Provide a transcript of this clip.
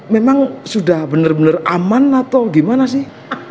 memang sudah bener bener aman atau gimana sih